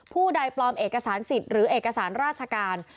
ผู้ใดปลอมเอกสารสิทธิ์หรือเอกสารราชการ